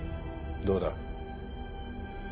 どうだ？